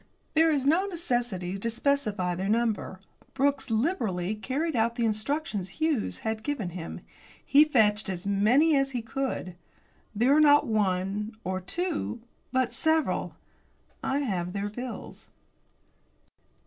There is no necessity to specify their number. Brooks liberally carried out the instructions Hughes had given him. He fetched as many as he could. There were not one or two, but several. I have their bills.